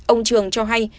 ông trường cho hay